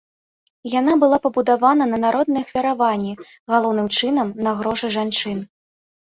Яна была пабудавана на народныя ахвяраванні, галоўным чынам на грошы жанчын.